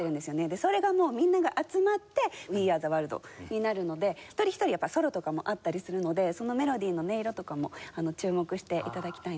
それがもうみんなが集まって『ウィ・アー・ザ・ワールド』になるので一人一人やっぱソロとかもあったりするのでそのメロディの音色とかも注目して頂きたいなと思います。